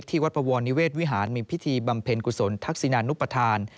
วัดปวรนิเวศวิหารมีพิธีบำเพ็ญกุศลทักษินานุปทาน